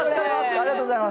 ありがとうございます。